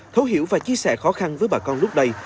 thấu hiểu và chia sẻ khó khăn với bà con lúc đây